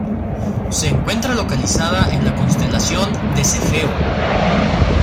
Se encuentra localizada en la constelación de Cefeo.